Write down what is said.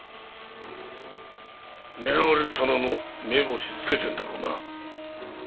狙われる店の目星つけてんだろうな。